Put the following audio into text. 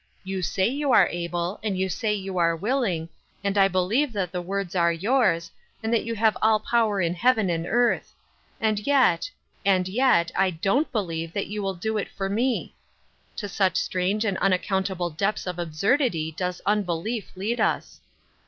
YoQ say you are able, and you say you ^re willing, and I believe that the words are 214 Ruth Urskine's Crosses, yours, and that you have all power in heaven and earth, and yet — and yet — I dont beheve that you will do it for me." To such strange and unaccountable depths of absurdity does unbelief lead us